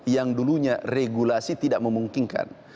yang dulunya regulasi tidak memungkinkan